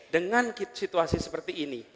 dengan situasi seperti ini